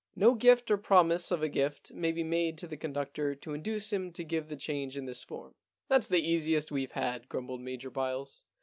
No gift or promise of a gift may be made to the conductor to induce him to give the change in this form,' * That*s the easiest we've ever had,' grumbled Major Byles.